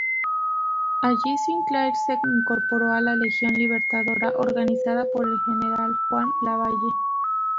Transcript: Allí Sinclair se incorporó a la "Legión Libertadora" organizada por el general Juan Lavalle.